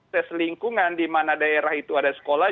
tes lingkungan di mana daerah itu ada sekolah